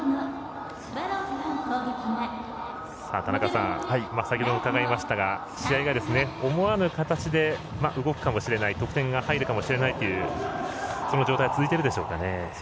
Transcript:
田中さん、先ほど伺いましたが試合が思わぬ形で動くかもしれない得点が入るかもしれないという状態が続いているでしょうかね。